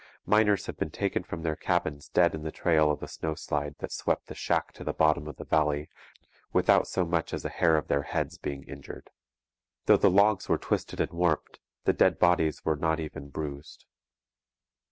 Miners have been taken from their cabins dead in the trail of a snowslide that swept the shack to the bottom of the valley without so much as a hair of their heads being injured. Though the logs were twisted and warped, the dead bodies were not even bruised.